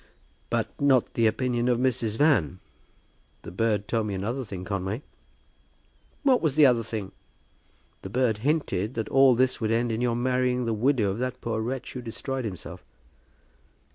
"But not the opinion of Mrs. Van. The bird told me another thing, Conway." "What was the other thing?" "The bird hinted that all this would end in your marrying the widow of that poor wretch who destroyed himself."